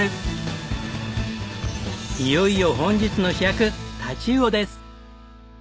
いよいよ本日の主役太刀魚です。